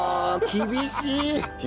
厳しいね。